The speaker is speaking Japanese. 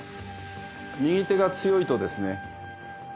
右手が強いとですね